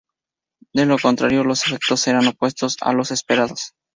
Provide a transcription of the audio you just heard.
De lo contrario, los efectos serán opuestos a los esperados.